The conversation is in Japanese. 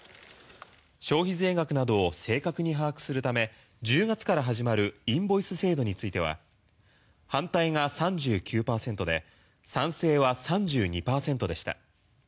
消費税額などを正確に把握するため１０月から始まるインボイス制度については反対が３９％で賛成は３２％でした。